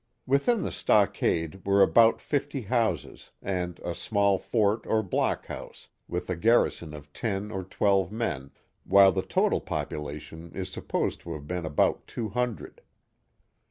Within the stockade were about fifty houses, and a small fort or block house with a garrison of ten or twelve men, while the total population is supposed to have been about two hun dred.